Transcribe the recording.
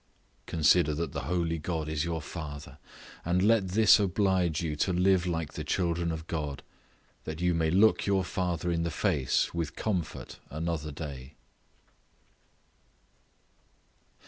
Consider that the holy God is your father, and let this oblige you to live like the children of God, that you may look your Father in the face with comfort another day.